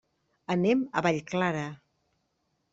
Anem a Vallclara.